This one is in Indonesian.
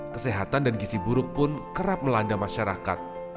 kesehatan dan gisi buruk pun kerap melanda masyarakat